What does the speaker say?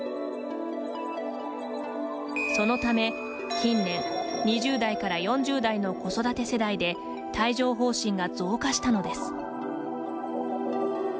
そのため、近年２０代から４０代の子育て世代で帯状ほう疹が増加したのです。